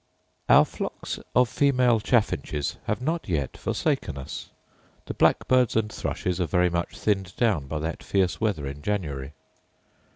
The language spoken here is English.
Our flocks of female chaffinches have not yet forsaken us. The blackbirds and thrushes are very much thinned down by that fierce weather in January.